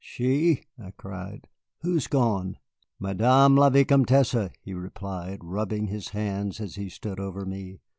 "She!" I cried. "Who's gone?" "Madame la Vicomtesse," he replied, rubbing his hands as he stood over me.